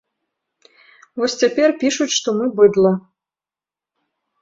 Вось цяпер пішуць, што мы быдла.